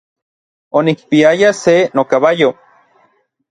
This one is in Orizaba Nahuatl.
Onikpiaya se nokabayo.